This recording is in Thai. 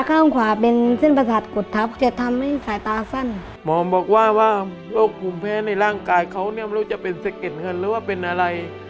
ข้างกายเค้าไม่รู้จะเป็นเศรษฐกิจหรือว่าเป็นอะไร